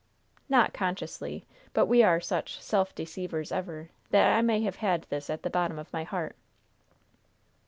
"Not consciously. But we are such 'self deceivers ever' that I may have had this at the bottom of my heart."